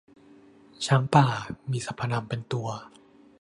ช้างป่า มีสรรพนามเป็นตัว